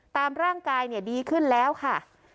ตามร่างกายดีขึ้นแล้วค่ะ